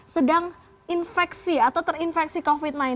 sedang infeksi atau terinfeksi covid sembilan belas